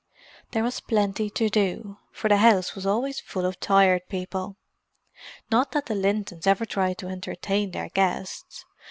There was plenty to do, for the house was always full of Tired People. Not that the Lintons ever tried to entertain their guests.